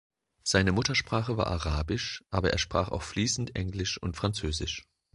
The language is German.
Seine Muttersprache war Arabisch, aber er sprach auch fließend Englisch und Französisch.